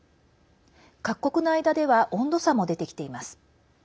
各国の間では温度差も出てきています。